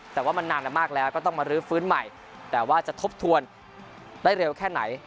แต่ว่ามันนานมากแล้วก็ต้องมารื้อฟื้นใหม่แต่ว่าจะทบทวนได้เร็วแค่ไหน